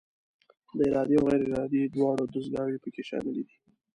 دا ارادي او غیر ارادي دواړه دستګاوې پکې شاملې دي.